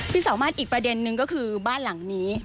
สามารถอีกประเด็นนึงก็คือบ้านหลังนี้